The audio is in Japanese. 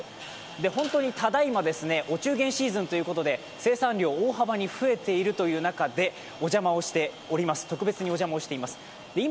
本当に、ただいまお中元シーズンということで、生産量、大幅に増えているという中で特別にお邪魔をしております。